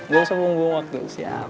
gausah buang buang waktu siap